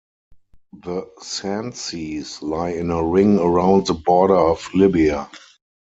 The sand seas lie in a ring around the border of Libya.